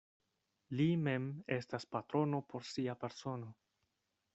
Li mem estas patrono por sia persono.